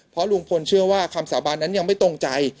เพราะลุงพลเชื่อว่าคำสาบานนั้นยังไม่ตรงใจ